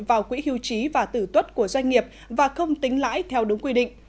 vào quỹ hưu trí và tử tuất của doanh nghiệp và không tính lãi theo đúng quy định